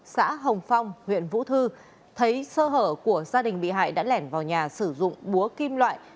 xã hồng phong huyện vũ thư thấy sơ hở của gia đình bị hại đã lẻn vào nhà sử dụng búa kim loại